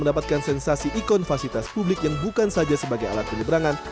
mendapatkan sensasi ikon fasilitas publik yang bukan saja sebagai alat penyeberangan